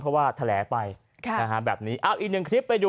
เพราะว่าแบบนี้ดูดอันอื่น